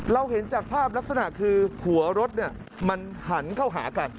เห็นจากภาพลักษณะคือหัวรถมันหันเข้าหากัน